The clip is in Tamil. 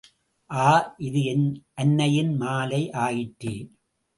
ஆ!.. இது என் அன்னையின் மாலை ஆயிற்றே!...